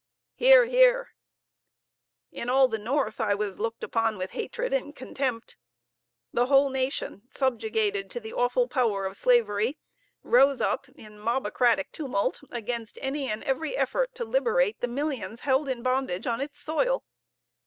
(Hear, hear.) In all the North I was looked upon with hatred and contempt. The whole nation, subjugated to the awful power of slavery, rose up in mobocratic tumult against any and every effort to liberate the millions held in bondage on its soil.